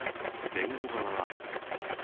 弁護側は。